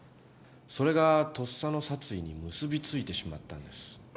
それが咄嗟の殺意に結びついてしまったんです。